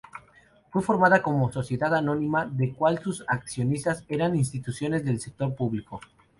Fue formada como sociedad anónima de cual sus accionistas eran instituciones del sector público.